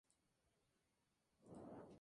Es miembro de la en Alberta.